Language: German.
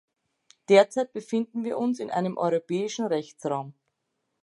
Derzeit befinden wir uns in einem europäischen Rechtsraum.